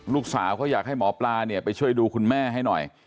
ลูกสาวเขาอยากให้หมอปลาเนี่ยไปช่วยดูคุณแม่ให้หน่อย